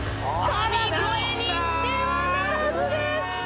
神声認定はならずです。